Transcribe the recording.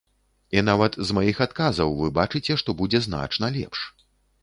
І нават з маіх адказаў вы бачыце, што будзе значна лепш.